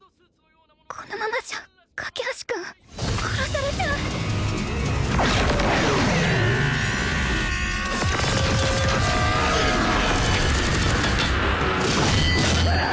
このままじゃ架橋君殺されちゃううわー！